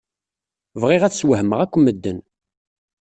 Bɣiɣ ad sswehmeɣ akk medden.